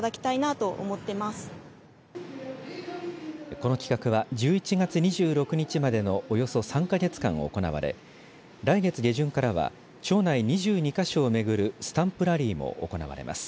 この企画は１１月２６日までのおよそ３か月間行われ来月下旬からは町内２２か所を巡るスタンプラリーも行われます。